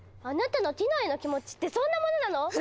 あなたのティノへの気持ちってそんなものなの？